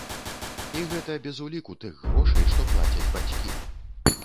І гэта без уліку тых грошай, што плацяць бацькі.